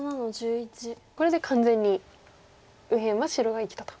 これで完全に右辺は白が生きたと。